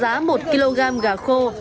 lấy gà này không